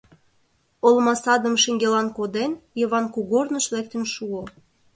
Олма садым шеҥгелан коден, Йыван кугорныш лектын шуо.